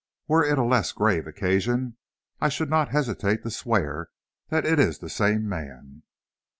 Were it a less grave occasion, I should not hesitate to swear that it is the same man."